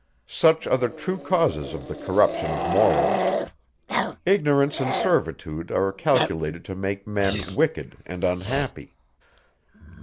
Such are the true causes of the corruption of morals. Ignorance and servitude are calculated to make men wicked and unhappy.